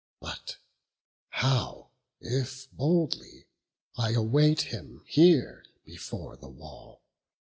But how if boldly I await him here Before the wall?